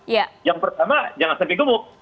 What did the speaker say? yang pertama jangan sampai gemuk